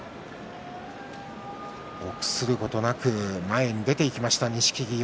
臆することなく前に出ていった錦木です。